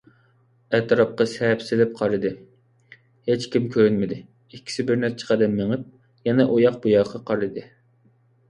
ئەتراپقا سەپسېلىپ قارىدى، ھېچكىم كۆرۈنمىدى، ئىككىسى بىرنەچچە قەدەم مېڭىپ، يەنە ئۇياق - بۇياققا قارىدى.